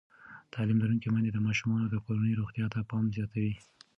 تعلیم لرونکې میندې د ماشومانو د کورنۍ روغتیا ته پام زیاتوي.